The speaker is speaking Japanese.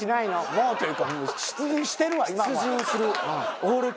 「もう」というか出陣してるわ今も。